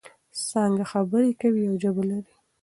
څانګه خبرې کوي او ژبه لري.